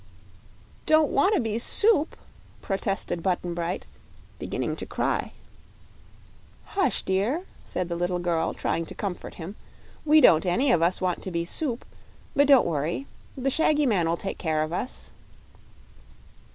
"Don't want to be soup," protested Button Bright, beginning to cry. "Hush, dear," said the little girl, trying to comfort him; "we don't any of us want to be soup. But don't worry; the shaggy man will take care of us."